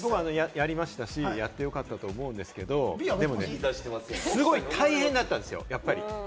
やりましたし、やってよかったと思うんですけれども、すごい大変だったんですよ、やっぱり。